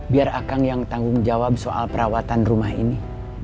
biar akang yang tanggung jawab soal perawatan rumah ini